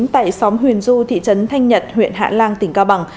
tại xóm huyền du thị trấn thanh nhật huyện hạn lang tỉnh cao bằng